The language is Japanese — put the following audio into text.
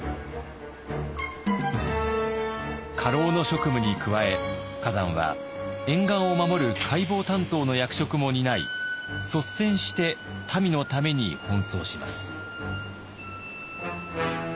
家老の職務に加え崋山は沿岸を守る海防担当の役職も担い率先して民のために奔走します。